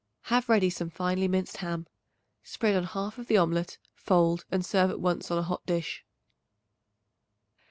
Have ready some finely minced ham. Spread on half of the omelet, fold and serve at once on a hot dish.